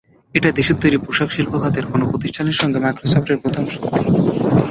এটাই দেশের তৈরি পোশাক শিল্প খাতের কোনো প্রতিষ্ঠানের সঙ্গে মাইক্রোসফটের প্রথম চুক্তি।